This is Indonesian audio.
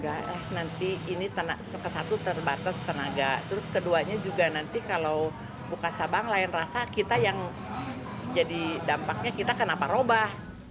nanti ini satu terbatas tenaga terus keduanya juga nanti kalau buka cabang lain rasa kita yang jadi dampaknya kita kenapa robah